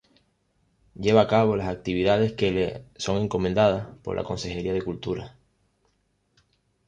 Lleva a cabo las actividades que le son encomendadas por la Consejería de Cultura.